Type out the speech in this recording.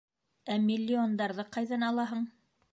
Ә миллиондарҙы ҡайҙан алаһың?